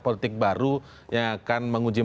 politik baru yang akan menguji